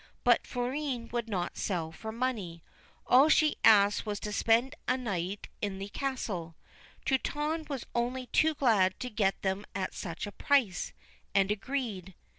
But Florine would not sell for money : all she asked was to spend a night in the castle. Truitonne was only too glad to get them at such a price, and agreed.